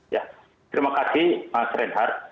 ya terima kasih pak rehar